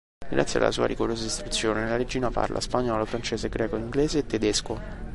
Grazie alla sua rigorosa istruzione, la regina parla spagnolo, francese, greco, inglese e tedesco.